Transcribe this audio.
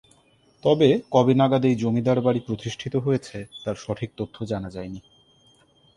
তবে কবে নাগাদ এই জমিদার বাড়ি প্রতিষ্ঠিত হয়েছে তার সঠিক তথ্য জানা যায়নি।